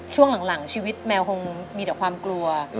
ช่วงหลังชีวิตแมวคงมีแต่ความกลัว